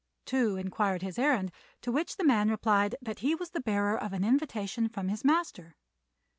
Tou inquired his errand; to which the man replied that he was the bearer of an invitation from his master.